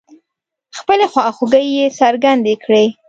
خپلې خواخوږۍ يې څرګندې کړې.